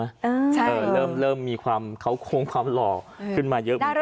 ใช่เริ่มมีความเขาโค้งความหล่อขึ้นมาเยอะเหมือนกัน